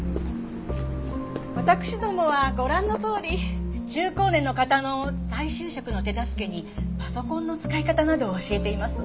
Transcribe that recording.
私どもはご覧のとおり中高年の方の再就職の手助けにパソコンの使い方などを教えています。